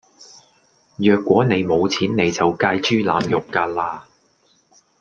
若果你冇錢你就界豬腩肉架啦